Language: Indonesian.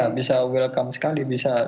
ya bisa welcome sekali bisa diterima